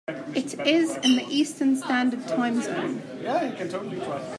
It is in the Eastern Standard time zone.